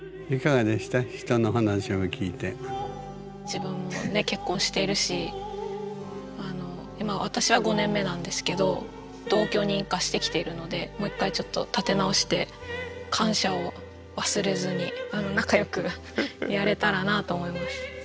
自分もね結婚しているし今私は５年目なんですけど同居人化してきているのでもう一回ちょっと立て直して感謝を忘れずに仲良くやれたらなと思います。